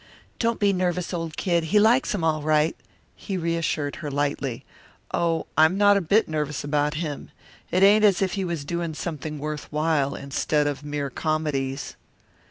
"Don't be nervous, old Kid; he likes 'em all right." He reassured her lightly: "Oh, I'm not a bit nervous about him. It ain't as if he was doing something worth while, instead of mere comedies."